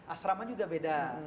asrama juga beda